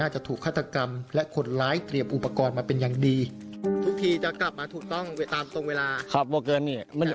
ผิดปกติผมก็ยังหาหลอกห้องทั้งนั้น